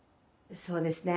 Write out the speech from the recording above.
そうですね。